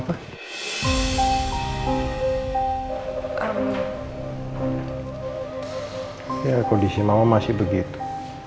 kondisi mama masih begitu